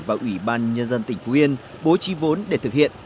và ủy ban nhân dân tỉnh phú yên bố trí vốn để thực hiện